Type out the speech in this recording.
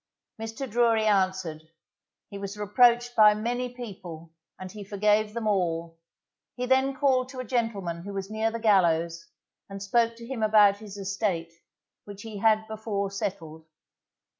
Mr. Drury answered, he was reproached by many people, and he forgave them all, he then called to a gentleman who was near the gallows and spoke to him about his estate, which he had before settled.